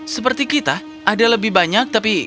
seperti kita ada lebih banyak tapi